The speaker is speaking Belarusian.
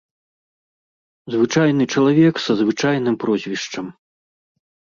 Звычайны чалавек са звычайным прозвішчам.